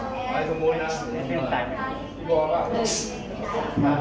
สุดท้ายก็ไม่มีเวลาที่จะรักกับที่อยู่ในภูมิหน้า